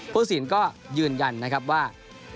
ผู้สินก็ยืนยันนะครับว่า